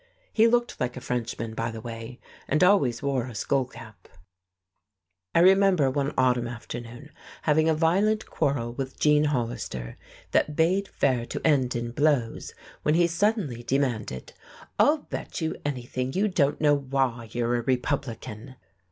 He looked like a Frenchman, by the way, and always wore a skullcap. I remember one autumn afternoon having a violent quarrel with Gene Hollister that bade fair to end in blows, when he suddenly demanded: "I'll bet you anything you don't know why you're a Republican."